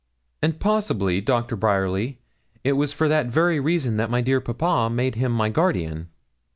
'And possibly, Doctor Bryerly, it was for that very reason that my dear papa made him my guardian.'